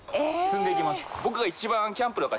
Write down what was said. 積んでいきます。